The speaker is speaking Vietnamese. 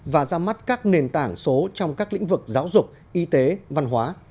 và ra mắt các nền tảng số trong các lĩnh vực giáo dục y tế văn hóa